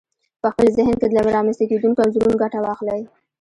په خپل ذهن کې له رامنځته کېدونکو انځورونو ګټه واخلئ.